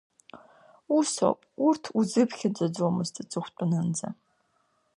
Ус ауп, урҭ узыԥхьаӡаӡомызт аҵыхәтәанынӡа…